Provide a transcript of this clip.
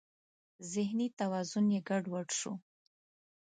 ذهني توازن یې ګډ وډ شو.